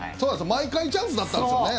毎回チャンスだったんですよね。